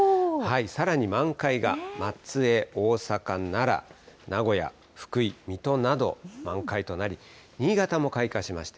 さらに満開が松江、大阪、奈良、名古屋、福井、水戸など満開となり、新潟も開花しました。